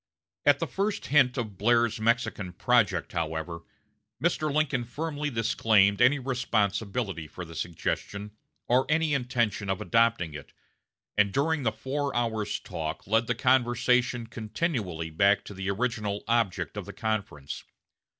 At the first hint of Blair's Mexican project, however, Mr. Lincoln firmly disclaimed any responsibility for the suggestion, or any intention of adopting it, and during the four hours' talk led the conversation continually back to the original object of the conference.